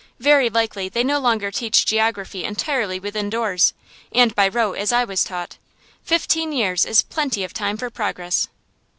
Very likely they no longer teach geography entirely within doors, and by rote, as I was taught. Fifteen years is plenty of time for progress.